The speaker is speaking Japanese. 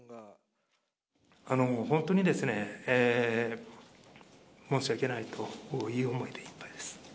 本当にですね、申し訳ないという思いでいっぱいです。